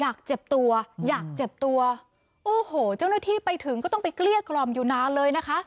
อยากเจ็บตัวอยากเจ็บตัวโอ้โหเจ้าหน้าที่ไปถึงก็ต้องไปเกลี้ยกล่อมอยู่นานเลยนะคะ